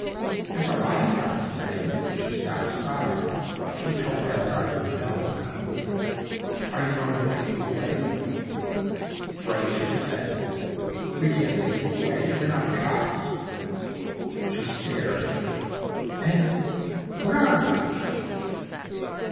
"That's all I've got to say." She stopped sobbing. Her topaz eyes were dull now. "Are you going to take me away?" Frey shook his head. "We can't take you away. We're not cops." She stared. "Then what are you?"